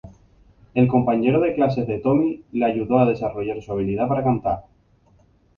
El compañero de clases de Tommy le ayudó a desarrollar su habilidad para cantar.